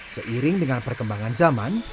seiring dengan perkembangan zaman